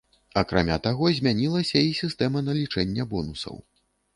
Акрамя таго, змянілася і сістэма налічэння бонусаў.